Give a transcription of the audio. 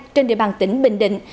trên địa bàn tỉnh bình định